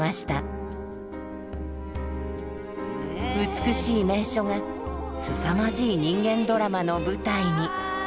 美しい名所がすさまじい人間ドラマの舞台に。